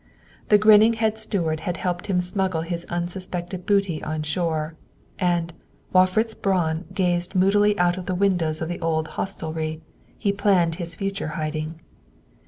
The grinning head steward had helped him smuggle his unsuspected booty on shore, and, while Fritz Braun gazed moodily out of the windows of the old hostelry, he planned his future hiding.